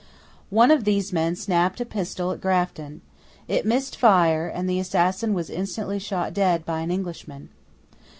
One of these men snapped a pistol at Grafton. It missed fire, and the assassin was instantly shot dead by an Englishman.